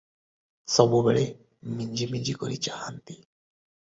ସବୁବେଳେ ମିଞ୍ଜି ମିଞ୍ଜି କରି ଚାହାଁନ୍ତି ।